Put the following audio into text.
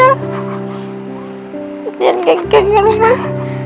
แม่โอ๊ตตอนเลี้ยงตายให้ต่อต่างอย่าลืมไหม